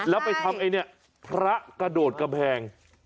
แล้วไปทำไอ้เนี่ยพระกระโดดกำแพง